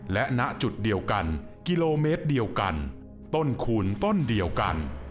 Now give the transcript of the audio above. และณจุดเดียวกันกิโลเมตรเดียวกันต้นคูณต้นเดียวกัน